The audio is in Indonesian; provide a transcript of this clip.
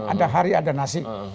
ada hari ada nasi